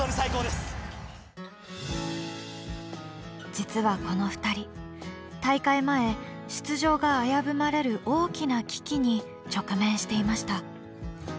実はこの２人大会前出場が危ぶまれる大きな危機に直面していました。